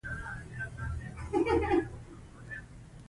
چاپېریال د ژوند ښکلا ده.